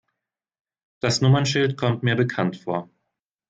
Das Nummernschild kommt mir bekannt vor.